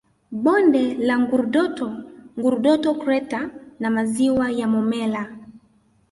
Bonde la Ngurdoto Ngurdoto Crater na maziwa ya Momella